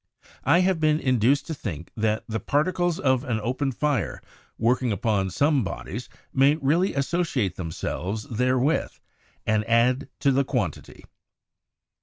... I have been induced to think that the particles of an open fire working upon some bodies may really associate themselves therewith; and add to the quantity."